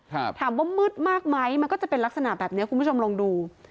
ถามว่ามืดมากไหมมันก็จะเป็นลักษณะแบบเนี้ยคุณผู้ชมลองดู